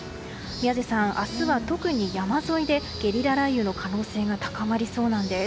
宮司さん、明日は特に山沿いでゲリラ雷雨の可能性が高まりそうなんです。